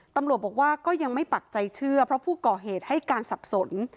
ตำรวจบอกว่าก็ยังไม่ปักใจเชื่อเพราะผู้ก่อเหตุให้การสับสน